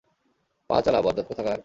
পা চালা, বজ্জাত কোথাকার!